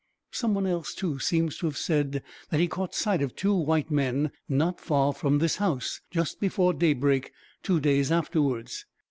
Someone else, too, seems to have said that he caught sight of two white men, not far from this house, just before daybreak, two days afterwards.